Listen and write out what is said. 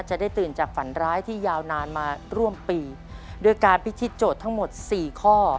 จะได้ตื่นจากฝันร้ายที่ยาวนานมาร่วมปีโดยการพิธีโจทย์ทั้งหมดสี่ข้อ